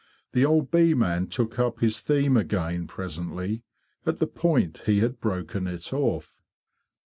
The old bee man took up his theme again presently at the point he had broken it off.